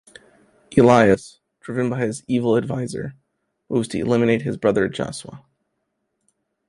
Elias, driven by his evil advisor, moves to eliminate his brother Josua.